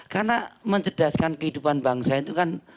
karena mencedaskan kehidupan bangsa itu kan